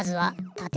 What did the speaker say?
たて。